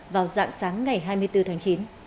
vào dạng sáng ngày hai mươi bốn tháng chín